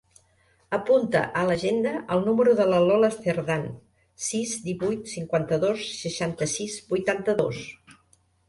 Apunta a l'agenda el número de la Lola Cerdan: sis, divuit, cinquanta-dos, seixanta-sis, vuitanta-dos.